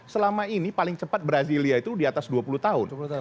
selama ini paling cepat brasilia itu di atas dua puluh tahun